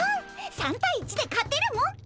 ３対１で勝てるもんか。